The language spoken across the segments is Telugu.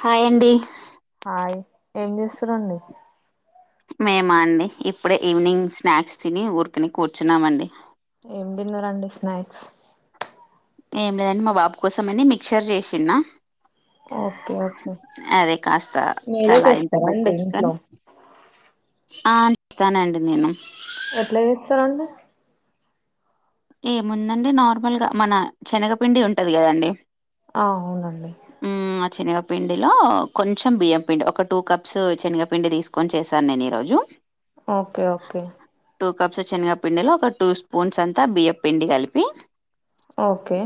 హాయ్ అండి హాయ్ ఏం చేస్తురండి మేమా అండి ఇప్పుడే ఈవినింగ్ స్నాక్స్ తిని ఊరికెనే కూర్చున్నామండి ఏం తిన్నరండి స్నాక్స్ ఏం లేదండి మా బాబు కోసం అని మిక్చర్ చేషిన్నా ఓకే ఓకే అదే కాస్త మీరే తలా ఇంత చేస్తారా అండి ఇంట్లో పెట్టేస్కొని ఆ [unintelligible] నిస్తానండి నేను ఎట్లా చేస్తారు అండి ఏముందండి నార్మల్గా మన శనగపిండి ఉంటది కదండి ఆ అవునండి మ్మ్ ఆ చనగపిండిలో కొంచెం బియ్యం పిండి ఒక టూ కప్స్ చెనగపిండి తీసుకొని చేశాను నేను ఈరోజు ఓకే ఓకే టూ కప్స్ చనగ పిండిలో ఒక టూ స్పూన్స్ అంతా బియ్యపుపిండి కలిపి ఓకే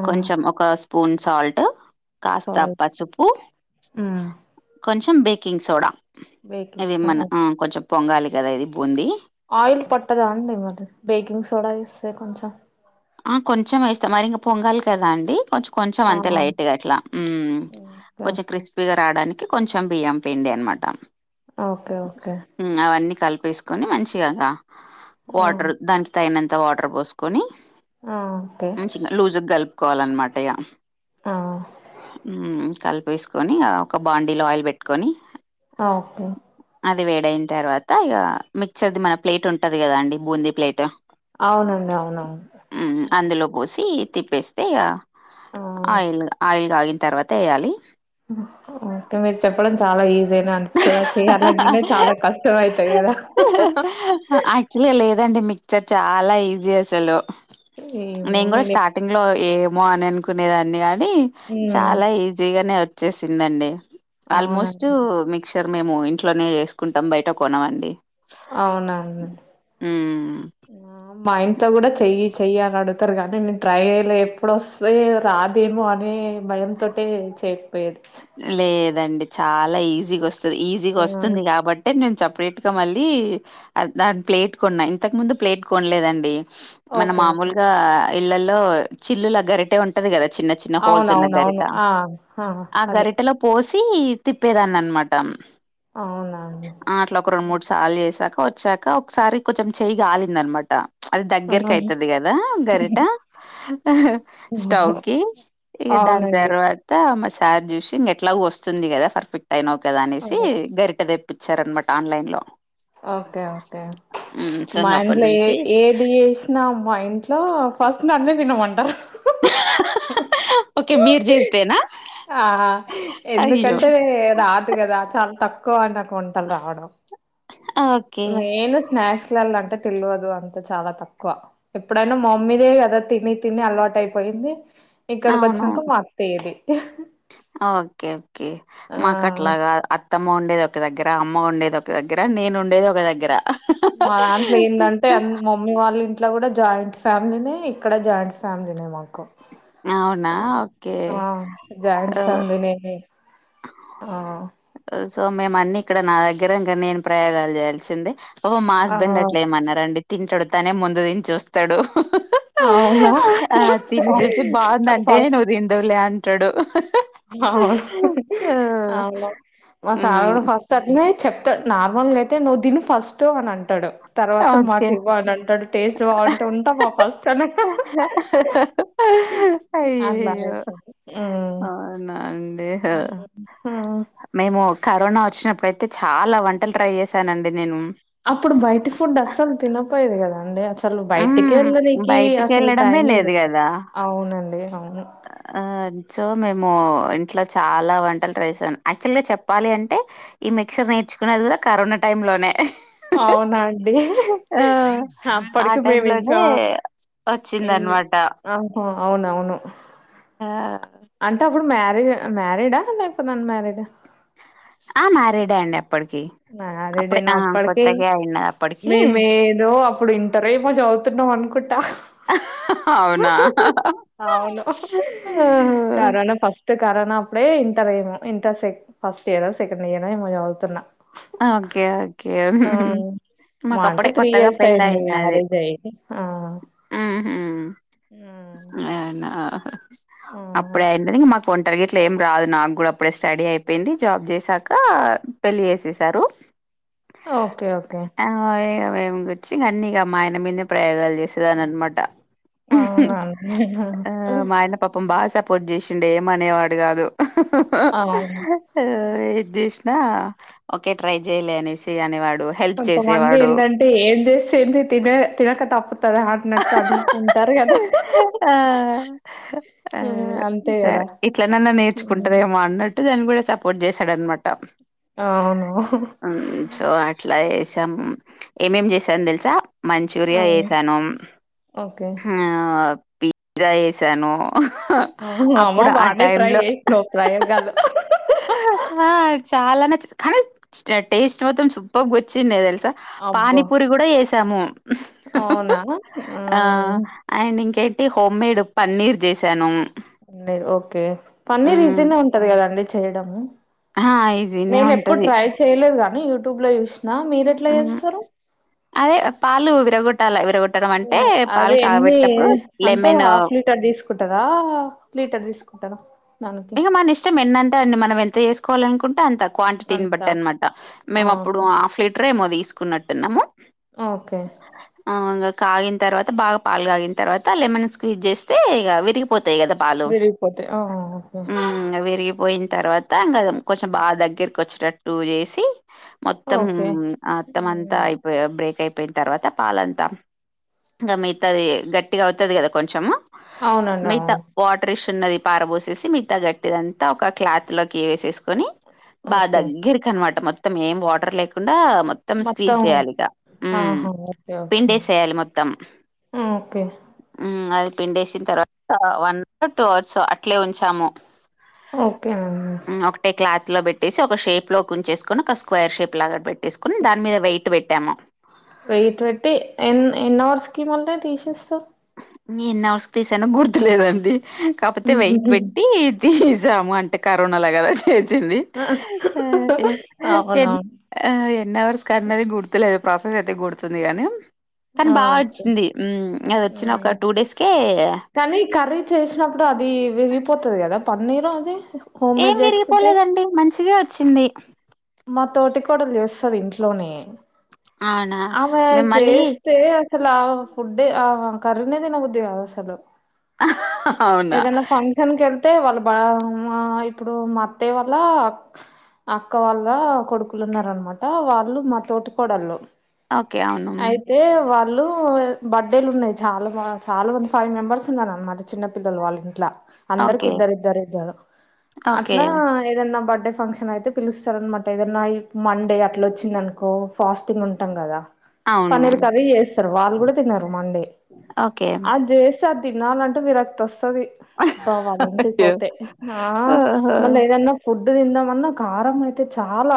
ఆ కొంచెం ఒక స్పూన్ సాల్ట్ కాస్త సాల్ట్ పసుపు మ్మ్ కొంచెం బేకింగ్ సోడా బేకింగ్ ఇవి మన సోడా ఆ కొంచెం పొంగాలి కదా ఇది బూంది ఆయిల్ పట్టదా అండి మరి బేకింగ్ సోడా ఎస్తే కొంచెం ఉమ్ కొంచెం వేస్తా మరి ఇంగ పొంగాలి కదా అండి కొంచెం కొంచెం అంతే ఆ లైట్ గా ఇట్లా ఉమ్ కొంచెం ఓకే క్రిస్ప్ పీగా రావడానికి కొంచెం బియ్యం పిండి అనమాట ఓకే ఓకే ఉమ్ అవన్నీ కలిపేసుకొని మంచిగా లా ఆ వాటర్ దానికి తైనంత వాటర్ పోసుకొని ఆ ఉం చింగ లూజుగా కలుపుకోవాలన్న మాట ఇయ ఆ ఉమ్ కలిపేస్ కొని ఆ ఒక బాండీలో ఆయిల్ పెట్టుకొని ఓకే అది వేడయిన తర్వాత ఇగ మిక్చర్ది మన ప్లేట్ ఉంటది గదా అండి బూందీ ప్లేట్ అవునండి అవునవును ఉమ్ అందులో పోసి తిప్పేస్తే ఇగ్ ఆ ఆయిల్ ఆయిల్ కాగిన తర్వా తెయ్యాలి [inaudible] చెప్పడం చాలా ఈజీ అయినా [unintelligible] చెయ్యాలంటనే చాలా కష్టం అయితాయి కదా ఆక్ లేదండి మిక్చర్ చాలా ఈజీ అసలు ఏమో నేను కూడా ఎప్ స్టార్ట్ లో ఏమో అని అనుకునేదాన్ని కాని హ్మ్ చాలా ఈజి జీగానే వచ్చేసిందండి ఆల్మోస్ట్ అవునండి మిక్ క్షర్ మేము ఇంట్లోనే చేసుకుంటాం బయట కొనమండి అవున అండి హ్మ్. ఊ మా ఇంట్లో కూడా చెయ్యి చెయ్యి అని అడుతారు కానీ మేము ట్రై చెయ్యలే ఎప్పుడొస్తే రాదేమో అని భయంతోటే చేయకపోయేది లేదండి చాలా ఈజీగా వస్తుంది ఈజీగా ఆ వస్తుంది కాబట్టి టే నేను సపరేట్ గా మళ్ళీ దాని ప్లేట్ కొన్నా ఇంతకు ముందు ప్లేట్ కొనలేదండి మన ఓకే ఓకే మామూలుగా ఇళ్లల్లో చిల్లుల గరిటే ఉంటది కదా చిన్నది చిన్న హోల్స్ ఉన్న గరిట ఆమ్ అహ ఆ గరిటెలో పోసి తిప్పేదాన్ని అనమాట అవునా అండి ఆ అట్లోక రెండు మూడు సార్లు చేసాక వచ్చాక క ఒకసారి కొంచెం చెయి కాలింది అనమాట అది ఆ! దగ్గరకియితది కదా గరిట స్టౌకి ఇక దాన్ అవునండి తర్వా త మా సార్ చూసి ఇక ఎట్లాగ వస్తుంది కదా పర్ఫెక్ట్ అయిన కదా అనేసి అవును గరిట తెప్ పిచరన్ననమాట ఆన్లైన్ లో ఓకే ఓకే మ్ సో మా ఇంగ అప్పటి ఇంట్లో ఏ నుంచి ఏది ఏస్ నా మా ఇంట్లో ఫస్ట్ ననే తినమంటారు ఓకే మీరు చేసి ఆహా అయ్యో ఎందుకంటే రాదు కదా చాలా తక్కువ అనకుంట రావడం ఆ నేను స్నాక్స్లల్ల అంటే తెలియదు అంత చాలా తక్కువ ఎప్పుడైనా మమ్మీదే కదా తిని తిని అలవాటు అయిపోయింది ఇక్కడికి వచ్చినాక మా అత్తయది ఆ ఓకే ఓకే మాకు అట్లాగాద్ అట్ అత్తమ్మ ఉండేది ఒక దగ్గర అమ్మ ఉండేది ఒక దగ్గర నేను ఉండేది ఒక్ మా దాంట్లో ఏందం టే మమ్మీ వాళ్ళ ఇంట్లో కూడా జాయింట్ ఫ్యామిలీనే ఇక్కడ కూడా జాయింట్ ఫ్యామిలీనే మాకు అవునా? ఓకే. ఆ జాయింట్ ఆహ్, ఫామిలీనె ఆ ఒ సో మేము అన్ని ఇక్కడ నా దగ్గర నేను ప్రయోగాలు చేయాల్సిందే ఓహో మా ఆ హస్బెండ్ అట్లే ఏమనరండి తింటాడు తనే ముందు తిని చూస్తాడు అవునా ఆ తిని చూసి బాగుందంటేనే నువ్వు తిందువులే అంటాడు ఆ అవును మా సార్ హ్మ్. కూడా ఫస్ట్ అట్నే చెప్తాడు నార్మల్గా అయితే నువ్వు తిను ఫస్ట్ అని అంటడు తర్వాత మాకు ఓకే. ఇవ్వ అని అంటాడు టేస్ట్ బాగుంటే ఉంటమా ఫస్ట్ అని అట్లా అయ్యో అనేస్తాడు మ్మ్ ఆ అన్నా అండి హో మ్మ్ మేము కరోనా వచ్చినప్పుడు అయితే చాలా వంటలు ట్రై చేసానండి నేను అప్పుడు బయటి ఫుడ్ అసలు తినపోయేది కద అండి అస్ అసలు బయటికే హ్మ్ వెళ్ళనికి అసలు బయటికెళ్ళడమే టైం లేదు లేదండి గదా! అవునండి అవును ఆ సో మేము ఇంట్లో చాలా వంటలు చేసాను యాక్చువల్ గా చెప్పాలి అంటే ఈ మిక్సర్ నేర్చుకునేది కూడా కరోనా టైమ్ లోనే అవునా అండి ఆ అప్పటికి టై మేము ఇంకా లోనే వచ్చింది ఏంది అనమాట ఆహా అవునవును ఆ అంటే అప్పుడు మ్యారీ మ్యారీడా లేకపోతే అన్ మ్యారిడా ఆ మ్యారీడే అండి ఆప్పటికి మ్యారీడ్ ఏ నా అప్పటికి అయిందప్పటికి. మేము ఏదో అప్పుడు ఇ టార్ ఏమో చవుతున్నాం అనుకుంటా అవునా! అవును ఓహ్! కరోనా ఫస్ట్ కరోనా అప్పుడే ఇంటర్ ఏమో ఇంటర్ సె ఫస్ట్ ఇయర్ సెకండ్ ఇయర్ ఏమ చదువుతున్నా ఓకే ఓక్ కే ఆ మా మాకు అంటే అప్పుడే త్రీ కొత్తగా ఇయర్స్ అయింది పెళ్ళయిన్నది మ్యారేజ్ అయి ఉహు ఆ హ్మ్. అయినా ఆ అప్పుడే అయినది మాకు వంటలు గిట్ల ఏం రాదు నాకు కూడా అప్పుడే స్టడీ అయిపోయింది జాబ్ చేసాక పెళ్ళి చేసేసారు ఓకే ఓకే హాయిగా మేము వచ్చి అన్ని ఇగ మా ఆయన మీదే ప్రయోగాలు చేసేదాని అనమాట అవునా అండి ఆ మా ఆయన పాపం బాగా సపోర్ట్ చేసిండు ఏమి అనేవాడు కాదు అవును ఇది తీసినా ఒకే ట్రై చేయలే అనేసి అనేవాడు హెల్ప్ చేసేవాడు అంటే ఏం చేస్తే ఏంది తిన తినక తప్పుతుదా అన్నట్టు అంటంటారు కదా ఆ ఆ అంతే సరే కదా ఇట్లనన్నా హ్మ్. నేర్చుకుంటారేమో అన్నట్టు అ దాన్ని కూడా సపోర్ట్ చేస్తాడు ఆనమాట అవును సో అట్లా చేసాం ఏమేమేం చేసాను తెలుసా ఆ మంచూరియా చేసాను ఓకే ఆ పిజ్జా చేసాను అవునా అమ్మ అప్పుడు ఆ బానే టైమ్ ట్రై లో చేసినావ్ ప్రయోగాలు ఆ చాలా నచ్చ కానీ టేస్ట్ మాత్రం సూపర్ వచ్చింది తెలుసా అబ్బో పానీపూరి కూడా చేసాము అవునా ఆ హ్మ్. అండ్ ఇంకేంటి హోమ్ మేడ్ పన్నీర్ చేసాను పన్నీర్ ఓకే పన్నీర్ ఏజ్ హ్మ్ గా ఉంటారు కదాండి చేయడము ఆ ఈజీనే నేను ఎప్పుడు ఉంటది ట్రై చేయలేదు గాని యూట్యూబ్ లో చూసినా మీరు ఎట్లా హ్మ్ చేస్తారు అదే పాలు విరగొట్టాల విరగొట్టడం అంటే పాలు అదే ఎన్ని కాబెట్టటప్పుడు లెమన్ కుంటారా లీటర్ తీసుకుంటారా నను ఇగ మన ఇష్టం ఎన్నంటే అన్ని మనం ఎంత చేసుకోవాలనుకుంటే అంత క్వాంటిటీని అంతా బట్టి అనమాట ఆ మేము అప్పుడు ఓకే హాఫ్ లీటర్ ఏమో తీసుకున్నట్టున్నాము ఓకే అ ఇంగ కాగిన తర్వాత బాగా పాలు కాగిన తర్వాత లెమన్ స్క్వీజ్ చేస్తే ఇగ విరిగిపోతాయి కదా పాలు విరిగిపోతే ఆ ఉ విరిగిపోయిన తర్వాత ఇంకా కొంచెం బాగా దగ్గరకి వచ్చేటట్టు చేసి మొత్తం ఓకే ఆ మొత్తం అంతా హ్మ్ అయిపోయా బ్రేక్ అయిపోయిన తర్వాత పాలంతా ఇంకా మిగతాది గట్టిగా అవుతుది కదా కొంచెం అవునండి మిగతా అవును వాటర్ ఇస్ ఉన్నది పారపోసేసి మిగతా గట్టిదంతా ఒక క్లాత్ లోకి వేసేసుకొని బా ఓకే దగ్గిరి కి అనమాట మొత్తం ఏం వాటర్ లేకుండా మొత్తం మొత్తం స్పీచ్ చేయాలిట ఉ ఆహా ఓకే ఓకే పిండేసేయాలి మొత్తం ఓకే మ్ అది పిండేసిన తర్వాత వన్ అవర్ టూ అవర్స్ అట్లే ఉంచాము ఓకే మామ్ ఒకటే క్లాత్ లో పెట్టేసి ఒక షేప్ లో ఉంచేసుకొని ఒక స్క్వేర్ షేప్ లాగా పెట్ తీసుకొని దాని మీద వెయిట్ పెట్టాము వెయిట్ పెట్టి ఎన్ ఎన్నవర్స్ కి మళ్ళ తీసేస్తారు ఎన్ని అవర్స్ తీసానో గుర్తులేదండి కాకపోతే వెయిట్ పెట్టి తీసాము అంటే కరోనా లో కదా చేసింది ఆ ఎ అవునవును. ఎన్ ఆ ఎన్ హవర్స్ కన్నది గుర్తులేదు ప్రాసెస్ అయితే గుర్తుంది కానీ కానీ ఆ! బాగా ఓకే. వచ్చింది అది వచ్చిన ఒక హ్మ్. టూ డేస్ కే కానీ కర్రీ చేసినప్పుడు అది విరిగిపోతది కదా పన్నీరు అది ఏం హోమ్‌మేడ్ జేసుకుంటే? విరిగిపోలేదండి మంచిగా వచ్చింది మా తోటి కోడలు చేస్తది ఇంట్లోనే అవునా ఆమె మేము మళ్ళీ చేస్తే అస్ సలు ఆ ఫుడ్డే ఆ కర్రీ నే తినబుద్ధి కాదు అసలు అవునా ఏదన్నా ఫన్ షన్ కి వెళ్తే వాళ్ళు బ ఇప్పుడు మా అత్తయ్య వాళ్ళ అక్క వాళ్ళ ళ్ళ కొడుకులు ఉన్నారనమాట వాళ్ళు మా తోటి కోడళ్లు ఓకే అవును అయితే వాళ్ళు బర్త్డేలు ఉన్నాయి చాలా చాలా మంది ఫైవ్ మెంబర్స్ ఉన్నారన్న మరి చిన్నపిల్లలు వాళ్ళ ఇంట్లా అందరికి ఓకే. ఇద్దరిద్దరి ఇద్దరు ఓకే. అట్లా ఏదన్నా బర్త్డే ఫంక్షన్ అయితే పిలుస్త స్తార్ అనమాట ఏదన్నా ఈ మండే అట్లా వచ్చింది అనుకో ఫాస్టింగ్ ఉంటాం కదా అవును. పన్నీర్ కర్రీ చేస్తారు వాళ్ళు కూడా తినరు మండే ఓకే. అది చేస్త అది తినాలంటే విరక్తి వస్తది బా వాళింటికి అయ్యో! పోతే ఆ ఓహో! మళ్ళ ఏదన్న స్నా ఫుడ్ తిందామన్నా కారం అయితే చాలా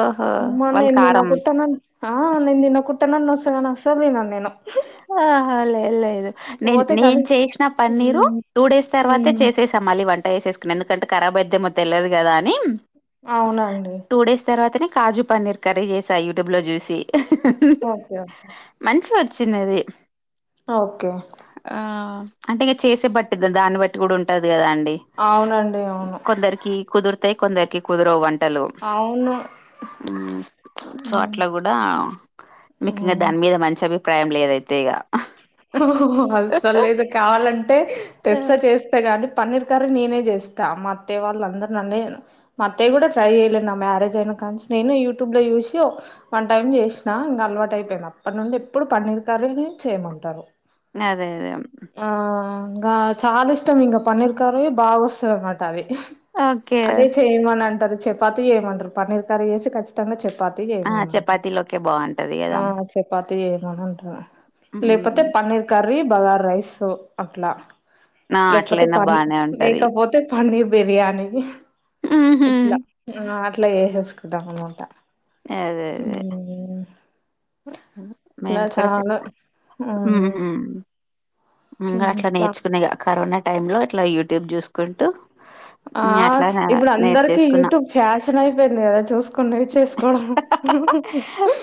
ఓహో! అమ్మ వాళ్ళు నేను నిన్న కారం కుట్టాన ఆ నేన్దిన కుట్టనన్నసనా అస్సల్ తినన్నేను ఆహా లేదు లేదు నే పోతే నేన్ కానీ చేసిన పన్నీరు మ్మ్ టూ డేస్ తర్వాతే మ్మ్ చేసేస్ ఇంక మళ్ళీ వంట వేసేసుకుని ఎందుకంటే కరాబ్ అయితుందేమో తెలియదు కదా అని అవునండి టూ డేస్ తర్వాతనే కాజు పన్నీర్ కర్రీ చేసా యూట్యూబ్ లో చూసి ఓకే ఓకే మంచిగా వచ్చినది ఓకే ఆ అంటే ఇంకా చేసే బట్టి దాన్ని బట్టి కూడా ఉంటది కదా అండి అవునండి అవును కొందరికి కుదురుతాయి కొందరికి కుదరవు వంటలు అవును సో హ్మ్. అట్లా కూడా మీకు ఇంకా హ్మ్. దాని మీద మంచి అభి ప్రాయం లేదైతే ఇగ హు హు హు అస్సల్లేదు కావాలంటే ఆ! తెస్స చేస్త గానీ పన్నీర్ కర్రీ నేనే జేస్తా మా అత్తేవాళ్ళందర్ నన్నే మత్తయ్ గూడా ట్రై చేయలే నా మ్యారేజ్ అయిన కాంచ్ నేను యూట్యూబ్ లో చూస్యో వన్ టైమ్ చేష్ణా ఇంగలవాట్ అయిపోయింద్ అప్ప నుండ్ ఎప్పుడు పన్నీరు కర్రీని చేయమంటారు న్యదే అదేం ఆ ఇంగా చాలిష్టం ఇంగ పనీర్ కర్రీ బాగ్ ఒస్తదన్మాటది అదే ఓకే. చేయమన్ అంటరు చపాతి చేయమంటరు పన్నీర్ కర్రి చేస్తె ఖచ్చితంగా చపాత్ తి ఆ చేయమన్ అంటు చపాతీలోకే బాగుంటది ఆ కదా చపాతి చేయమనంటున పతే హ్మ్. పన్నీర్ కర్రీ బగార్ రైస్ అట్లా ఆ లేక్పోతే అట్లయినా పన్ బానే ఉంటది లేకపోత్ అే పన్నీర్ బిర్యానీ ఉహు ఇట్లా అ అట్లా చేసేస్క్ దహుమూట అదే అదే ఊమ్మ్మ్ లా మేము కూడా చాలా చెప్తాం అహ్హ్ ఉహు ఇంగా అట్లా నేర్చుకునిగ కరోనా టైమ్ లో అట్లా యూట్యూబ్ జూస్కుంటూ అ ఆ ఇప్పుడందరికి నేర్చేసుకున్నా యూట్యూబ్ ఫ్యాషన్ అయిపోయింది కదా చూసుకునేవి చేసుకోవడం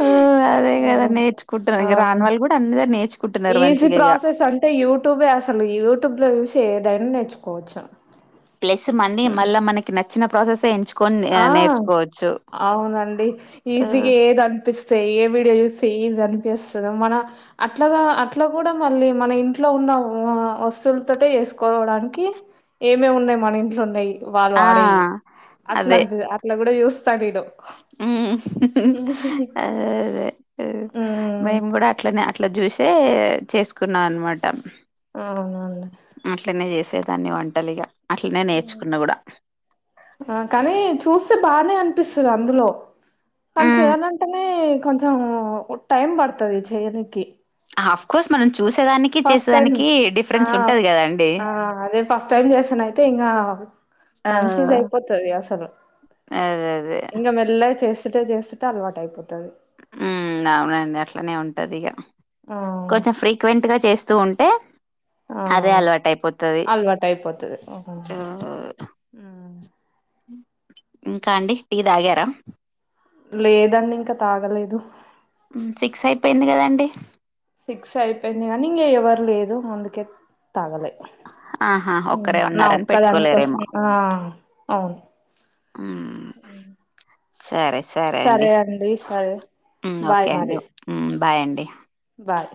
ఓ అదే కదా ఊ నేర్చుకుంటున్నారు ఆ ఇంక రాని వాళ్ళు కూడా అందరు నేర్చుకుంటున్నారు ఈజీ మంచిగా ఇగ ప్రాసెస్ అంటే యూట్యూబే అసలు యూట్యూబ్ ల చూసి ఏదైన్ నేర్చుకోవచ్చు ప్లస్ మన్ని హ్మ్. మళ్ళ మనకి నచ్చిన ప్రాసెసె ఎంచు ఆ అవునండి ఈజీగా హ్మ్. ఏదనిపిస్ చేయ్యే వీడియో చూస్ ఈజ్ అనిపిస్తదో మన అట్లాగా అట్లా కూడా మళ్ళీ మన ఇంట్లో ఉన్న వ్ వస్తువులతోటే ఏస్కోవడానికి ఏమే ఉన్నాయ్ మనింట్లున్నయ్ వాళ్ళు ఆ వాడేయి అట్ల అన్ పి అట్లా కూడా యూస్తా నేను ఉమ్మ్ ఉమ్ అదే అదే మేమ్ కూడా అట్లనే అట్ల జూషే చేస్కున్నా అన్మాట అవునండి అట్లనే చేసేదాన్ని వంటలిగా అట్లనే నేర్చుకున్న ఉడా ఆ కనీ చూస్తే బానే అనిపిస్తద్ అందులో కన్ హ్మ్. చేయాలంటేనే కొంచెం టైం బడుతది చేయనికి అ హఫ్ కోర్స్ మనం చూసేదానికి ఫస్ట్ టైం చేసేదానికి ఆ డిఫరెన్స్ ఉంటది గద్ అండి ఆ అదేఫ్ ఫస్ట్ టైమ్ చేసానయిత్ ఇంగా ఆ! కన్ఫ్యూజ్ అయిపోతది అసలు అదే అదే. ఇంగ మెల్లగ చేస్తుటే చేసు తల్వాటయిపోతాది ఉమ్మ్ నవునండి అట్లనే ఉంటదిగ ఆ కొంచెం ఫ్రీక్వెంట్ గా చేస్ స్తూ ఉంటే ఆ అదే అలవాటయిపోతది అలవాటు అయిపోతది ఇంకా అండి టీ తాగారా లేదండి ఇంక తాగలేదు ఉం సిక్స్ అయిపోయింది కదండి సిక్స్ అయిపోయింది కానీ ఇంగ ఎవర్ లేరు అందుకే తాగలే ఆహా! ఉమ్ ఒక్కరే నా ఉన్నారని ఒక్కదానికోసం పెట్టుకోలేరేమో. ఆ అవును ఉమ్మ్మ్ సరే సరే అండి హ్మ్ బాయ్ ఓకే అండి మరి హ్మ్ బాయ్ అండి బాయ్